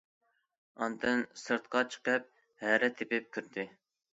ئاندىن سىرتقا چىقىپ ھەرە تېپىپ كىردى.